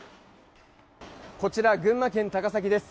こちら、群馬県高崎です。